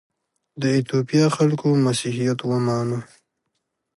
د ایتوپیا خلکو مسیحیت ومانه.